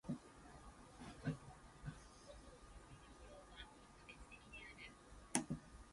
It received positive response from critics, who described it as soft and light.